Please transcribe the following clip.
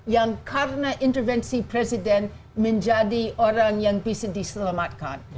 yang karena intervensi presiden menjadi orang yang bisa diselamatkan